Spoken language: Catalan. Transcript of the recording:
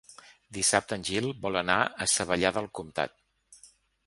Dissabte en Gil vol anar a Savallà del Comtat.